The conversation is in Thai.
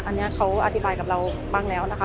อันนี้เขาอธิบายกับเราบ้างแล้วนะคะ